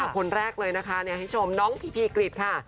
คนแรกเลยนะคะให้ชมน้องพีพีกริจค่ะ